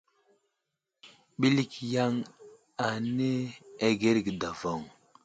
Ɓəlik yaŋ ane agərge davoŋ.